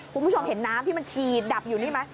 คุณผู้ชมเห็นน้ำที่มันฉีดดับอยู่นี่ไหม